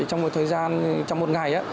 trong một thời gian trong một ngày